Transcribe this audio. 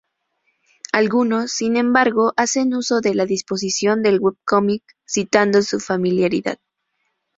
Algunos, sin embargo, hacen uso de la disposición del webcomic, citando su familiaridad.